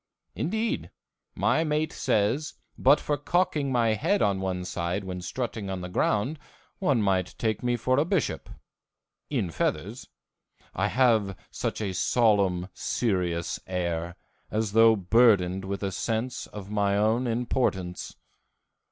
Indeed, my mate says but for cocking my head on one side when strutting on the ground one might take me for a bishop in feathers I have such a solemn, serious air, as though burdened with a sense of my own importance.